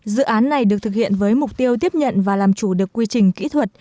dự án này được thực hiện với mục tiêu tiếp nhận và làm chủ được quy trình kỹ thuật